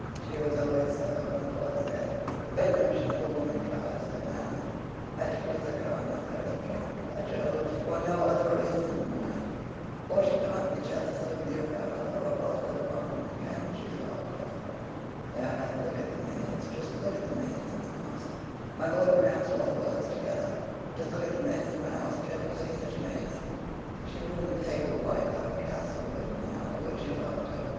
"She was always so," my lord said; "the very notion of a woman drives her mad. I took to liquor on that very account, by Jove, for no other reason than that; for she can't be jealous of a beer barrel or a bottle of rum, can she, Doctor? D it, look at the maids just look at the maids in the house" (my lord pronounced all the words together just look at the maze in the house: jever see such maze?) "You wouldn't take a wife out of Castlewood now, would you, Doctor?"